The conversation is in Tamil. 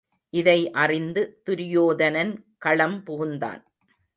இதை அறிந்து துரியோதனன் களம் புகுந்தான்.